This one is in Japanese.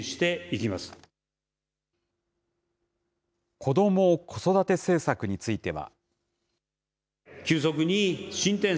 こども・子育て政策については。